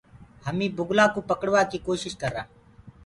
همي بُگلآ ڪوُ پڙوآ ڪيٚ ڪوشش ڪرآ۔